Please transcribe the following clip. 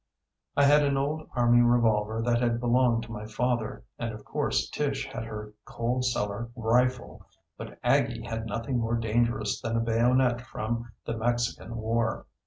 I had an old army revolver that had belonged to my father, and of course Tish had her coal cellar rifle, but Aggie had nothing more dangerous than a bayonet from the Mexican War.